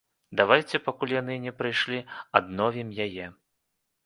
Давайце, пакуль яны не прыйшлі, адновім яе.